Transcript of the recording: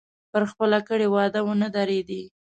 پر خپله کړې وعده ونه درېدی.